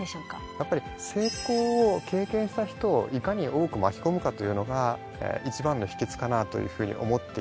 やっぱり成功を経験した人をいかに多く巻き込むかというのが一番の秘訣かなというふうに思っています。